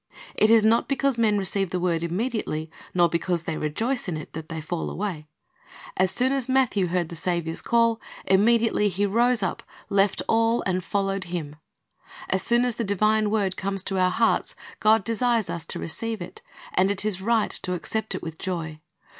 It is not because men receive the word immediately, nor because they rejoice in it, that they fall away. As soon ^^TJie Sozver Went Forth to Sow'' 47 as Matthew heard the Saviour's call, immediately he rose up, left all, and followed Him. As soon as the divine word comes to our hearts, God desires us to receive it; and it is right to accept it with joy.